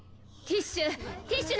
ティッシュ！